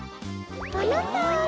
このとおり。